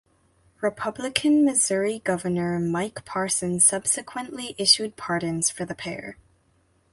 Republican Missouri Governor Mike Parson subsequently issued pardons for the pair.